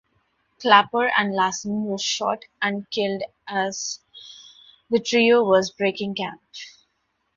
Clapper and Lassen were shot and killed as the trio was breaking camp.